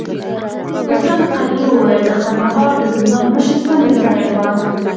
حسن قلي وويل: د کندهار د زندان مشر څنګه سړی و؟